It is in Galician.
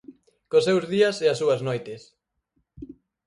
Cos seus días e as súas noites.